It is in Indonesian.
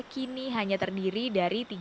kini hanya terdiri dari sepuluh antrian